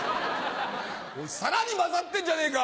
さらにまざってんじゃねえか。